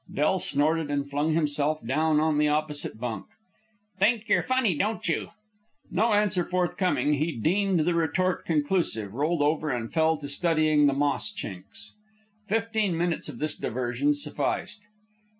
Del snorted and flung himself down on the opposite bunk. "Think yer funny, don't you?" No answer forthcoming, he deemed the retort conclusive, rolled over, and fell to studying the moss chinks. Fifteen minutes of this diversion sufficed.